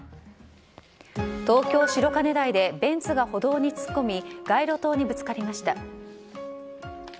東京・白金台でベンツが歩道に突っ込み街路灯にぶつかりました。